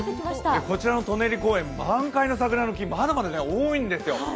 こちらの舎人公園、満開の桜の木まだまだ多いんですよ。